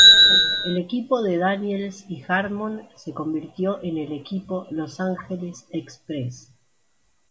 El equipo de Daniels y Harmon se convirtió en el equipo Los Angeles Express.